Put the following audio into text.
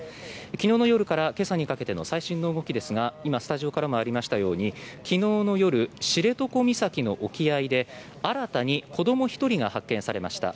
昨日の夜から今朝にかけての最新の動きですが今、スタジオからもありましたように昨日の夜、知床岬の沖合で新たに子ども１人が発見されました。